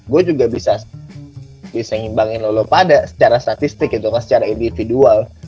gue juga bisa bisa ngeimbangin lolopada secara statistik gitu kan secara individual